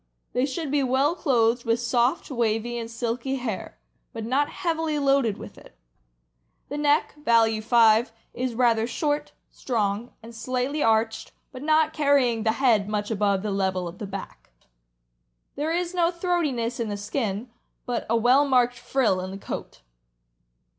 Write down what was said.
They should be well clothed with soft, wavy, and silky hair, but not heavily loaded with it. The neck (value 5) is rather short, strong, and slightly arched, but not carrying the head much above the level of the back. There is no throatiness in the skin, but a well marked frill in the coat.